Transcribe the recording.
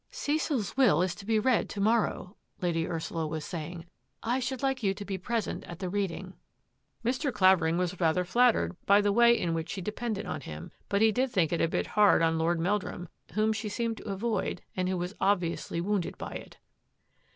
" Cecil's will is to be read to morrow," Lady Ursula was saying. "I should like you to be present at the reading.'* 126 THAT AFFAIR AT THE MANOR Mr. Clavering was rather flattered by the way In which she depended on him, but he did think it a bit hard on Lord Meldrum, whom she seemed to avoid and who was obviously wounded by it.